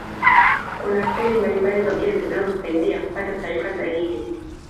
kuna staili mbalimbali za ujenzi zinazotusaaida kupata taarifa sahihi